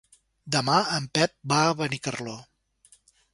Demà en Pep va a Benicarló.